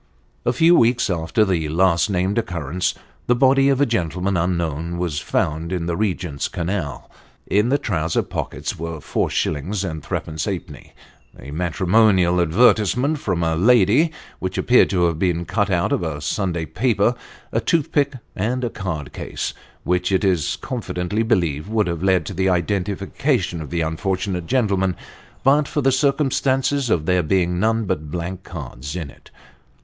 A few weeks after the last named occurence, the body of a gentle Mr. Nicodemus Dumps. 355 man unknown, was found in the Regent's Canal. In the trousers pockets were four shillings and threepence halfpenny ; a matrimonial advertisement from a lady, which appeared to have been cut out of a Sunday paper : a toothpick, and a card case, which it is confidently believed would have led to the identification of the unfortunate gentleman, but for the circumstance of there being none but blank cards in it.